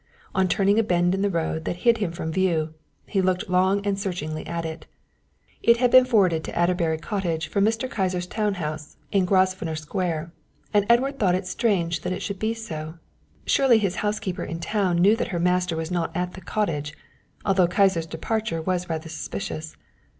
On turning a bend of the road that hid him from view, he looked long and searchingly at it. It had been forwarded to Adderbury Cottage from Mr. Kyser's town house in Grosvenor Square, and Edward thought it strange that that should be so. Surely his housekeeper in town knew that her master was not at the cottage. Altogether Kyser's departure was rather suspicious.